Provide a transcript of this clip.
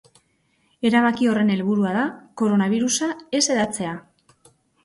Erabaki horren helburua da koronabirusa ez hedatzea.